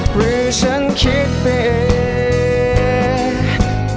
หรือฉันคิดไปเอง